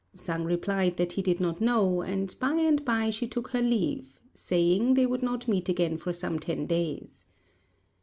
Sang replied that he did not know, and by and by she took her leave, saying, they would not meet again for some ten days.